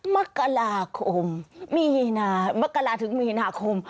มกราคมมีนามกราถึงมีนาคม